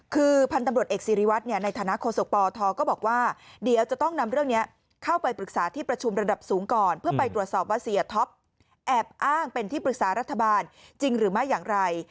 คือพันธุ์ตำรวจเอกสิริวัตรในฐานะโฆษกปทก็บอกว่าเดี๋ยวจะต้องนำเรื่องนี้เข้าไปปรึกษาที่ประชุมระดับสูงก่อนเพื่อไปตรวจสอบว่าเสียท็อปแอบอ้างเป็นที่ปรึกษารัฐบาลจริงหรือไม่อย่างไร